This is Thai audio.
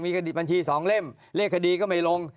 มีบัญชีสองเล่มเรียกคดีก็ไม่ลง